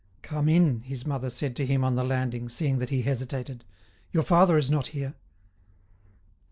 "Come in," his mother said to him on the landing, seeing that he hesitated. "Your father is not here."